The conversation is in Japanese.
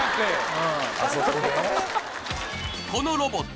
このロボット